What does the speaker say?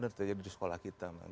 menurut saya di sekolah kita